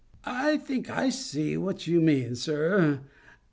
"I think I see what you mean, sir.